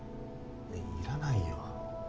いらないよ。